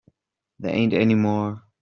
There ain't any more.